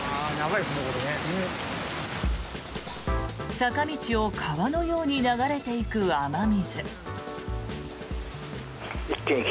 坂道を川のように流れていく雨水。